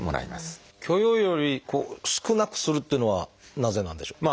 許容量より少なくするっていうのはなぜなんでしょう？